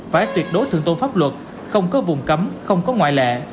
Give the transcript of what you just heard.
phải tuyệt đối thượng tôn pháp luật không có vùng cấm không có ngoại lệ